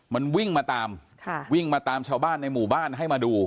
มันวิ่งมาตามวิ่งมาตามชาวบ้านในหมู่บ้านให้มาดู